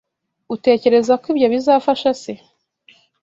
Utekereza ko ibyo bizafasha se?